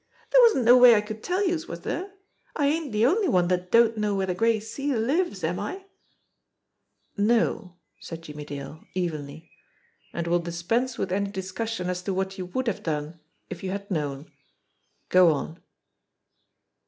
Dere wasn't no way I could tell youse, was dere? I ain't de only one dat don't know where de Gray Seal lives, am I ?" "No," said Jimmie Dale evenly; "and we'll dispense with any discussion as to what you would have done if you had known. Go on